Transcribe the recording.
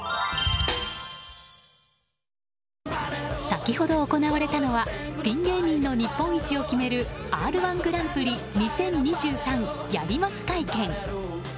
先ほど行われたのはピン芸人の日本一を決める「Ｒ‐１グランプリ２０２３」やります会見。